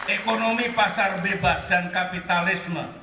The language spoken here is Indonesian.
ekonomi pasar bebas dan kapitalisme